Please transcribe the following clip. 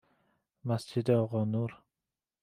مسجد آقا نور